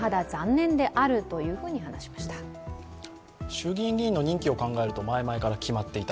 衆議院議員の任期を考えると、前々から決まっていた。